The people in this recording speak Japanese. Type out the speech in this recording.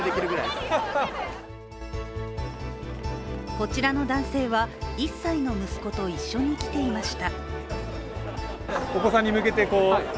こちらの男性は、１歳の息子と一緒に来ていました。